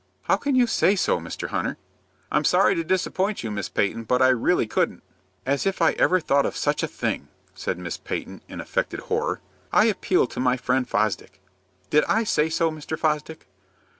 "How can you say so, Mr. Hunter?" "I'm sorry to disappoint you, Miss Peyton, but I really couldn't." "As if I ever thought of such a thing!" said Miss Peyton, in affected horror. "I appeal to my friend Fosdick." "Did I say so, Mr. Fosdick?"